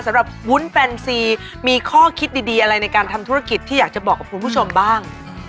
วุ้นแฟนซีมีข้อคิดดีอะไรในการทำธุรกิจที่อยากจะบอกกับคุณผู้ชมบ้าง